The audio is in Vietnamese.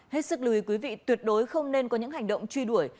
hết sức lưu ý quý vị tuyệt đối không nên có những hành động truy đuổi